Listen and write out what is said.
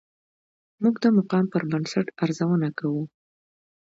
موږ د مقام پر بنسټ ارزونه کوو.